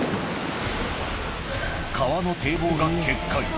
川の堤防が決壊。